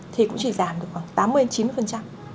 thì cũng chỉ giảm được khoảng tám mươi chín